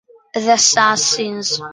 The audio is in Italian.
The Assassins